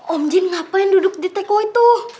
om jin ngapain duduk di teko itu